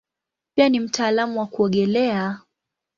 Pia ni mtaalamu wa kuogelea.